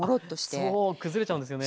そう崩れちゃうんですよね。